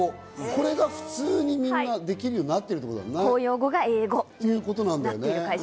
これが普通にみんなできるようになってきているということなんですよね。